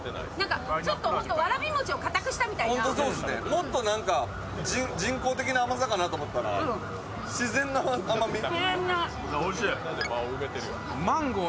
もっと人工的な甘さかなと思ったら、自然な甘みだ。